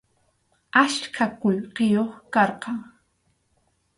Achka qullqiyuq karqan.